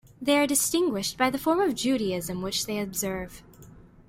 They are distinguished by the form of Judaism which they observe.